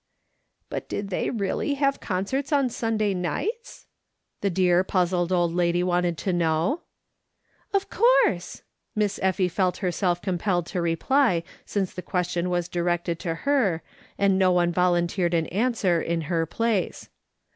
"But did they really have concerts on Sunday nights ?" the dear, puzzled old lady wanted to know. " Of course I " Miss Effie felt herself compelled to reply, since the question was directed to her, and no one volunteered an answer in her place.